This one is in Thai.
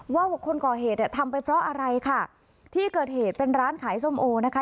ว่าคนก่อเหตุเนี่ยทำไปเพราะอะไรค่ะที่เกิดเหตุเป็นร้านขายส้มโอนะคะ